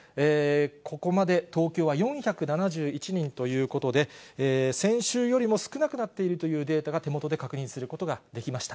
ここまで東京は４７１人ということで、先週よりも少なくなっているというデータが、手元で確認することができました。